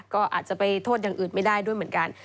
ก็อาจจะไปโทษอย่างอื่นไม่ได้ด้วยเหมือนกัน